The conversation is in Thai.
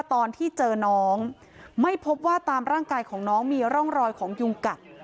ตอนที่เจอน้องไม่พบว่าตามร่างกายของน้องมีร่องรอยของยุงกัด